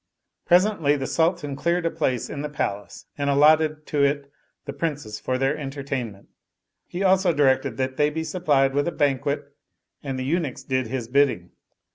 Presently the Sultan cleared a place in the Palace and allotted to it the Princes for their entertainment : he also directed they be supplied with a banquet and the eunuchs did his bidding.